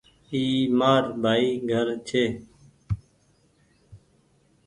اي مآر ڀآئي گھرڇي۔